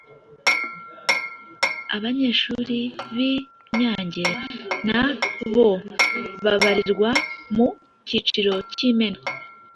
Abanyeshuri b’i Nyange na bo babarirwa mu kiciro cy’Imena.